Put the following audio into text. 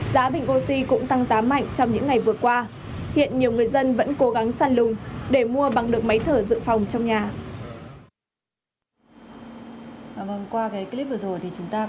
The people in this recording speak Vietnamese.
giá bình oxy cũng tăng giá mạnh trong những ngày vừa qua